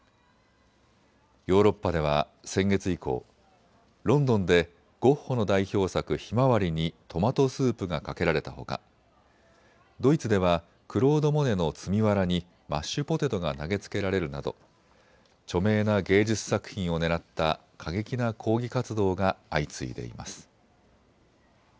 ヨーロッパでは先月以降、ロンドンでゴッホの代表作、ひまわりにトマトスープがかけられたほかドイツではクロード・モネの積みわらにマッシュポテトが投げつけられるなど著名な芸術作品を狙った過激な抗議活動が相次いでいます。